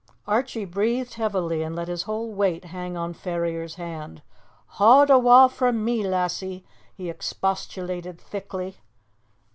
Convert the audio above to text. Archie breathed heavily and let his whole weight hang on Ferrier's hand. "Haud awa' frae me, lassie!" he expostulated thickly.